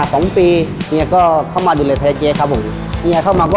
เป็นผู้ส่วนป